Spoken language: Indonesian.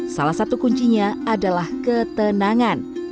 salah satu kuncinya adalah ketenangan